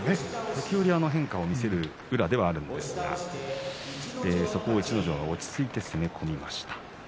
時折、変化を見せる宇良ですがそこを逸ノ城落ち着いて攻め込みました。